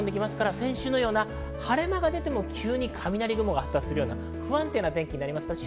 先週のような晴れ間があっても、急に雷雲が発達するような不安定な天気になります。